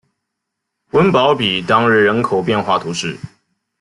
翁堡比当日人口变化图示